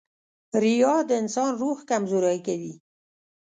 • ریا د انسان روح کمزوری کوي.